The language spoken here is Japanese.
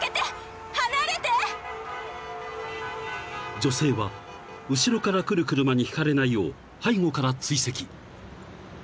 ［女性は後ろから来る車にひかれないよう背後から追跡］